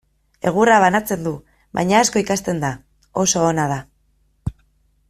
Egurra banatzen du, baina asko ikasten da, oso ona da.